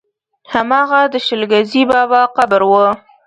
هماغه د شل ګزي بابا قبر و.